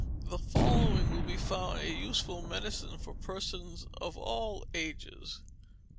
The following will be found a useful medicine for persons of all ages.